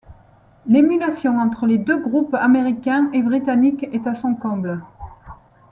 L'émulation entre les deux groupes américain et britannique est à son comble.